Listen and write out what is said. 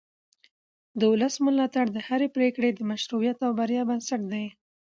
د ولس ملاتړ د هرې پرېکړې د مشروعیت او بریا بنسټ دی